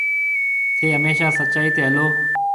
ٿَي هميشا سچائي تي هلو۔